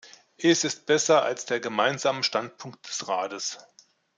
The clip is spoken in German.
Es ist besser als der Gemeinsame Standpunkt des Rates.